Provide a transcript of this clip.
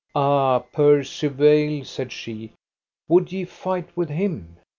Ah, Percivale, said she, would ye fight with him?